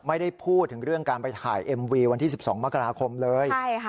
ไม่ได้พูดถึงเรื่องการไปถ่ายเอ็มวีวันที่๑๒มกราคมเลย